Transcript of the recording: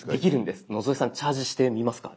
野添さんチャージしてみますか？